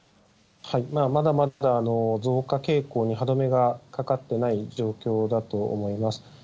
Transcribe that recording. まだまだ増加傾向に歯止めがかかってない状況だと思います。